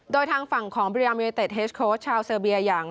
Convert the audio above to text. โดยทางฝั่งของบริรามยูเนเต็ดเฮสโค้ชชาวเซอร์เบียอย่าง